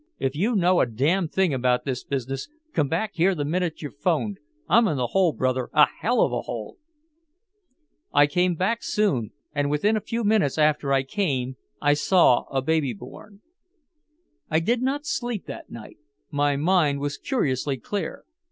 "If you know a damn thing about this business come back here the minute you've 'phoned! I'm in a hole, brother, a hell of a hole!" I came back soon, and within a few minutes after I came I saw a baby born. I did not sleep that night. My mind was curiously clear.